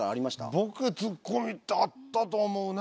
ボケツッコミってあったと思うね。